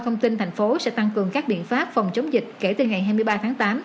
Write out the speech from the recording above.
thông tin thành phố sẽ tăng cường các biện pháp phòng chống dịch kể từ ngày hai mươi ba tháng tám